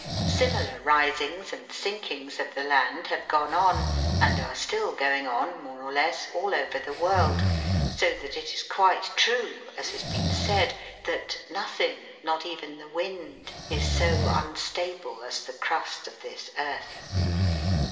Similar risings and sinkings of the land have gone on, and are still going on, more or less, all over the world, so that it is quite true, as has been said, that " nothing, not even the wind, is so unstable as the crust of this earth."